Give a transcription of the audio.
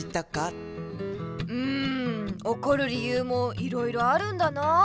んおこる理ゆうもいろいろあるんだな。